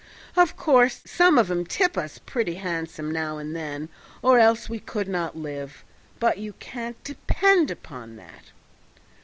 Of course, some of 'em tip us pretty handsome now and then, or else we could not live; but you can't depend upon that."